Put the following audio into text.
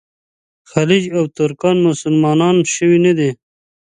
خلج او ترکان مسلمانان شوي نه دي.